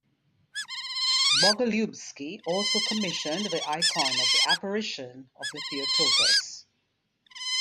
Bogolyubsky also commissioned the icon of the apparition of the Theotokos.